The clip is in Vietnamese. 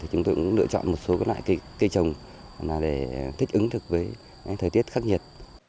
chúng tôi cũng lựa chọn một số loại cây trồng để thích ứng với thời tiết khắc nhiệt